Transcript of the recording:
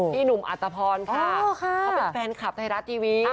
พี่หนุ่มอัตพรท์เป็นแฟนคลับไทยรัตน์ทีวี